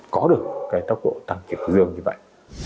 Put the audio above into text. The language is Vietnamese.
có được cái tốc độ tăng kiệt dương như vậy